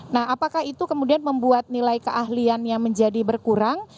nah apakah itu kemudian membuat nilai keahliannya menjadi berkurang